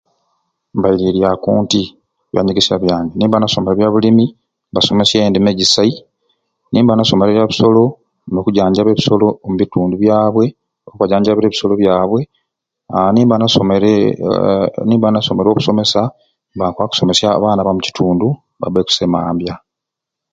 Mbairiiryaku nti okubyanyegesya byange nimba nga nasomere byabulimi mbasomesya endima egisai nimba nasomere byabisolo n'okujanjaba ebisolo omubitundu byabwe nkubajanjabira ebisolo byabwe, a nimba nasomere a a nimba nasomere obusomesa mba nkwaba okusomesya abaana bamukitundu babe kusai e mambya